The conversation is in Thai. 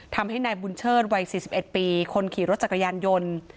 ทำให้นายบุญเชิดวัย๔๑ปีคนขี่รถจักรยานยนต์